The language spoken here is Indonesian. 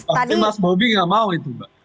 pasti mas bobi nggak mau itu mbak